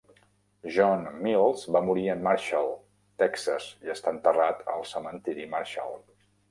John Mills va morir en Marshall, Texas, i està enterrat al cementiri Marshall.